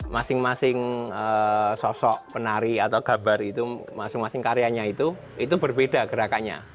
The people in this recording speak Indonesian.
masing masing sosok penari atau gabar itu masing masing karyanya itu itu berbeda gerakannya